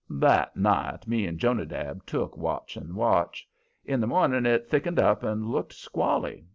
That night me and Jonadab took watch and watch. In the morning it thickened up and looked squally.